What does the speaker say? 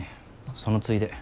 そのついで。